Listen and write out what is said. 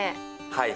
はい。